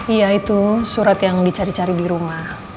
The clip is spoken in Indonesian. iya itu surat yang dicari cari di rumah